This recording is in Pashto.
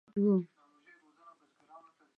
متلونه د اسلام څخه مخکې هم موجود وو